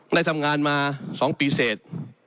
ได้ทำงานมา๒ปีเสร็จ